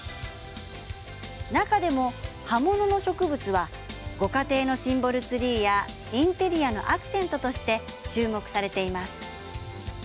中でも葉物の植物はご家庭のシンボルツリーやインテリアのアクセントとして注目されています。